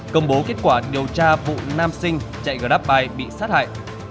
công bố kết quả điều tra vụ nam sinh chạy grabbyte bị sát hại